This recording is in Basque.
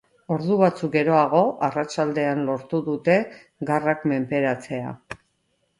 Ordu batzuk geroago, arratsaldean lortu dute garrak menperatzea.